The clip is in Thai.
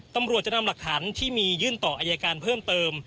ตำรวจจะนำหลักฐานที่มียื่นต่ออายการเพิ่มเติม